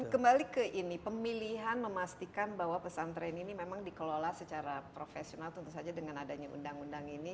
kembali ke ini pemilihan memastikan bahwa pesantren ini memang dikelola secara profesional tentu saja dengan adanya undang undang ini